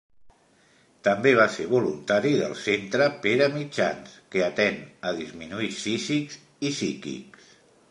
També va ser voluntari del centre Pere Mitjans que atén a disminuïts físics i psíquics.